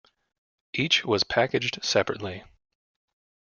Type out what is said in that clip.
Each was packaged separately.